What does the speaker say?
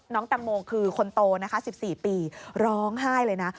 น้องตังโมคือคนโต๑๔ปีร้องไห้เลยนะ